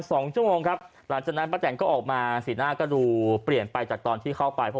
พอนักข่าวถามว่าอยากฝากอะไรถึงใครหรือเปล่าป้าแตน